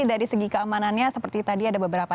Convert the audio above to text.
dari segi keamanannya seperti tadi ada beberapa